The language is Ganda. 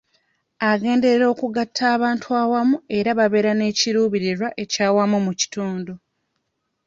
Agenderera okugatta abantu awamu era babeere n'ekiruubirirwa ekyawamu mu kitundu.